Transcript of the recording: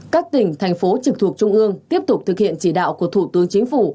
các tỉnh thành phố trực thuộc trung ương tiếp tục thực hiện chỉ đạo của thủ tướng chính phủ